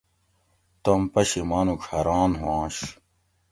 توم پشی مانُوڄ حاران ہُواںش